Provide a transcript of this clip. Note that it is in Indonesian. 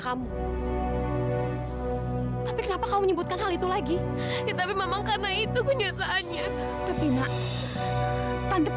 sampai jumpa di video selanjutnya